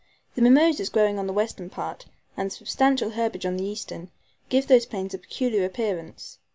The mimosas growing on the western part, and the substantial herbage on the eastern, give those plains a peculiar appearance.